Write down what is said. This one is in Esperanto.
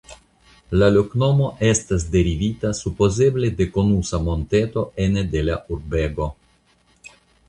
La loknomo estas derivita supozeble de konusa monteto ene de la urbego.